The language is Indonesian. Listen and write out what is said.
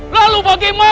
lalu bagaimana resi